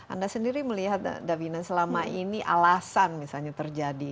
anda sendiri melihat davina selama ini alasan misalnya terjadi